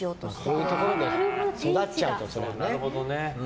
こういうところで育っちゃうとね。